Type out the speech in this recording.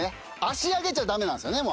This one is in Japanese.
脚上げちゃダメなんですよね